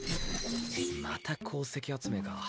また鉱石集めか。